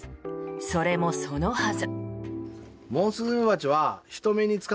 それもそのはず。